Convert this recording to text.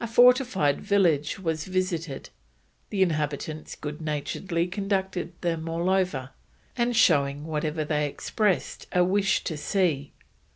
A fortified village was visited, the inhabitants good naturedly conducting them all over, and showing whatever they expressed a wish to see.